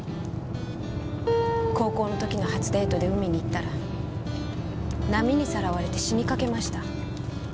高校の時の初デートで海に行ったら波にさらわれて死にかけました。